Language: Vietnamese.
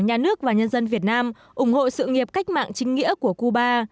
nhà nước và nhân dân việt nam ủng hộ sự nghiệp cách mạng chính nghĩa của cuba